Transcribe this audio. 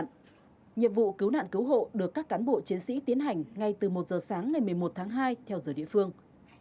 nhiệm vụ cứu nạn cứu hộ được các cán bộ chiến sĩ tiến hành ngay từ một giờ sáng ngày một mươi một tháng hai theo giờ địa phương